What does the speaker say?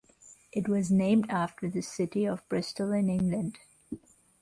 It was named after the city of Bristol, in England.